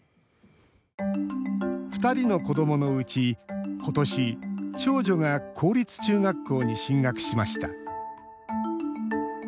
２人の子どものうちことし、長女が公立中学校に進学しました。